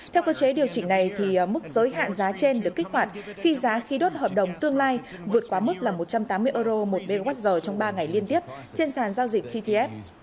theo cơ chế điều chỉnh này thì mức giới hạn giá trên được kích hoạt khi giá khí đốt hợp đồng tương lai vượt qua mức là một trăm tám mươi euro một mê quát giờ trong ba ngày liên tiếp trên sàn giao dịch tgf